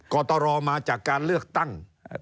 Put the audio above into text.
กรตรมาจากการเลือกตั้ง